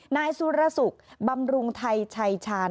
นายสุรสุขบำรุงไทยชัยชาญ